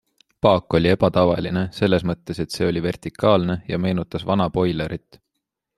Paak oli ebatavaline, selles mõttes, et see oli vertikaalne ja meenutas vana boilerit.